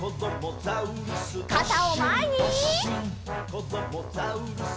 「こどもザウルス